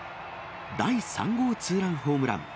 第３号ツーランホームラン。